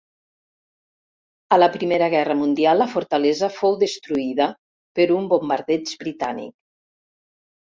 A la Primera Guerra Mundial la fortalesa fou destruïda per un bombardeig britànic.